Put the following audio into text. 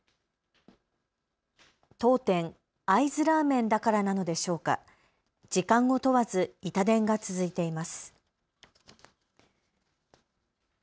当店、会津ラーメンだからなのでしょうか、時間を問わずイタ電が続いています。